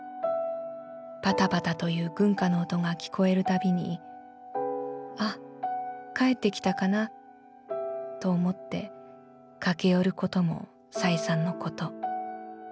パタパタという軍靴の音がきこえるたびに『あっ帰ってきたかな』と思ってかけ寄ることも再三のこと。